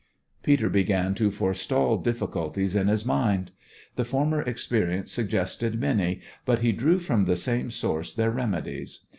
Peter began to forestall difficulties in his mind. The former experience suggested many, but he drew from the same source their remedies.